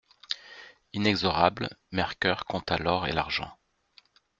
Inexorable, Mercœur compta l'or et l'argent.